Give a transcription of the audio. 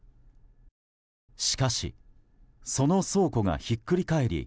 しかし、その倉庫がひっくり返り